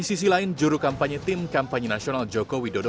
di sisi lain juru kampanye tim kampanye nasional joko widodo